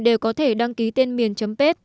đều có thể đăng ký tên miền chấm page